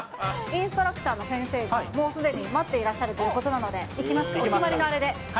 インストラクターの先生が、もうすでに待ってらっしゃるということなので、行きますか、お決まりのあれで。